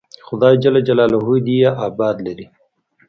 خداى دې يې اباد لري.